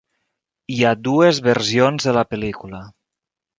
Hi ha dues versions de la pel·lícula.